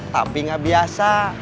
tapi gak biasa